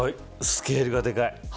スケールがでかい。